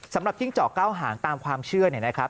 สำหรับจิ้งเจาะเก้าหางตามความเชื่อนะครับ